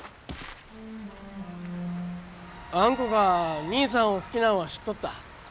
あんこが兄さんを好きなんは知っとった。